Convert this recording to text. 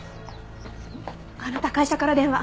あなた会社から電話。